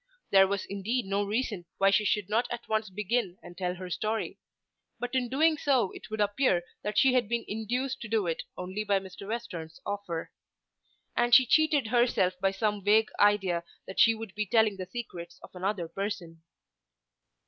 There was indeed no reason why she should not at once begin and tell her story. But in doing so it would appear that she had been induced to do it only by Mr. Western's offer. And she cheated herself by some vague idea that she would be telling the secrets of another person.